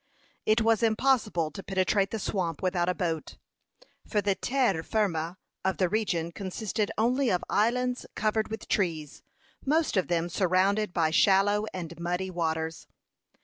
It was impossible to penetrate the swamp without a boat, for the terra firma of the region consisted only of islands covered with trees, most of them surrounded by shallow and muddy waters.